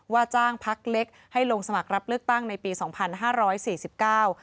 จ้างพักเล็กให้ลงสมัครรับเลือกตั้งในปีสองพันห้าร้อยสี่สิบเก้า